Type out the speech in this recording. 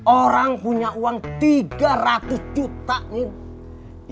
orang punya uang tiga ratus juta nih